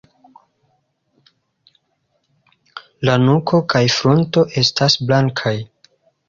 La nuko kaj frunto estas blankaj.